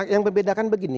yang membedakan begini